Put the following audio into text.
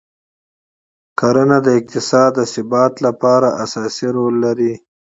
کرنه د اقتصاد د ثبات لپاره اساسي رول لري.